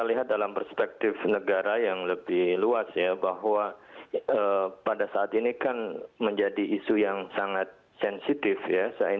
kita lihat dalam perspektif negara yang lebih luas ya bahwa pada saat ini kan menjadi isu yang sangat sensitif ya